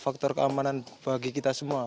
faktor keamanan bagi kita semua